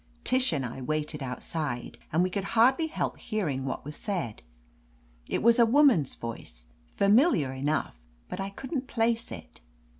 Tish and I waited outside, and we could hardly help hear ing what was said. It was a woman's voice,, familiar enough, but I couldn't place it.